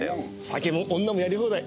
酒も女もやり放題。